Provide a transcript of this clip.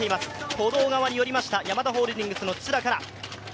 歩道側に寄りました、ヤマダホールディングスの土田佳奈。